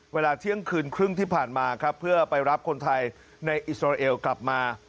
เวลาเที่ยงคืนครึ่งที่ผ่านมาครับเพื่อไปรับคนไทยในอิสราเอลกลับมา